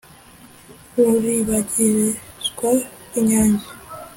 Ruribagizwa rw’inyange,